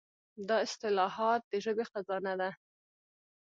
دا اصطلاحات د ژبې خزانه ده.